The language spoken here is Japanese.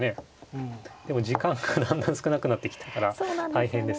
うんでも時間がだんだん少なくなってきたから大変ですね。